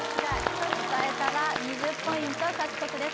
歌えたら２０ポイント獲得です